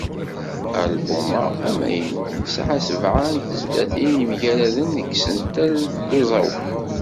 Album-a amaynut, yesɛa sebεa n tezlatin yemgaraden deg yisental d uẓawan.